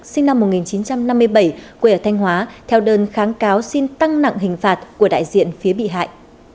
sinh năm một nghìn chín trăm năm mươi bảy quê ở thanh hóa theo đơn kháng cáo xin tăng nặng hình phạt của đại diện phía bị hại